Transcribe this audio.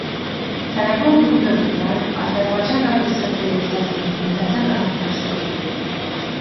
Tələbə olduğu dövrdən Azərbaycan radiosu və televiziyası ilə müntəzəm əməkdaşlıq edib.